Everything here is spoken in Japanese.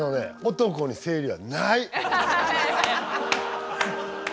男に生理はない。